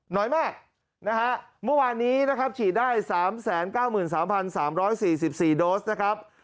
หน่อยแม่กมุมวานนี้ฉีดได้๓๙๓๓๔๔โดสนะครับ